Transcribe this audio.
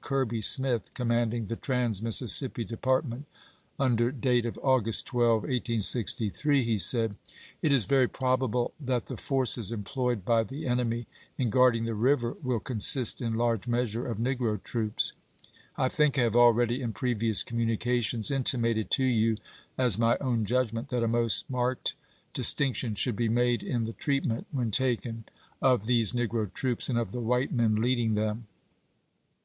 Kirby Smith, commanding the trans Mississippi Depart ment, under dat* of August 12, 1863, he said :" It is very probable that the forces employed by the enemy in guarding the river will consist, in large measure, of negro troops. I think I have already in previous communications intimated to you, as my own judgment, that a most marked distinction should be made in the treatment, when taken, of these negro troops and of the white men leading them.